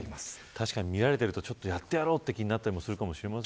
確かに見られているとやってやろうという気にもなるかもしれません。